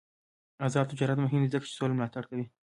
آزاد تجارت مهم دی ځکه چې سوله ملاتړ کوي.